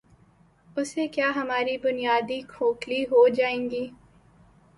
اس سے کیا ہماری بنیادیں کھوکھلی ہو جائیں گی؟